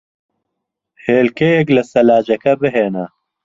هێلکەیەک لە سەلاجەکە بھێنە.